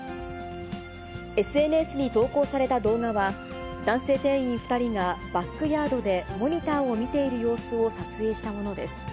ＳＮＳに投稿された動画は、男性店員２人がバックヤードでモニターを見ている様子を撮影したものです。